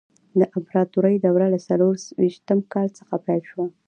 د امپراتورۍ دوره له څلور ویشتم کال څخه پیل شوه.